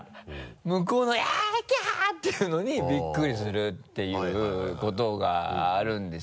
向こうの「ギャッ」「キャッ」ていうのにビックリするっていうことがあるんですよ。